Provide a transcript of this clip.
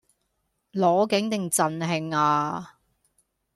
攞景定贈慶呀